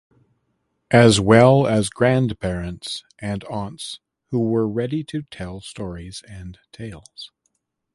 As well as grandparents and aunts who were ready to tell stories and tales.